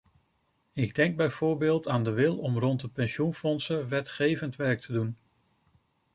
Ik denk bijvoorbeeld aan de wil om rond de pensioenfondsen wetgevend werk te doen.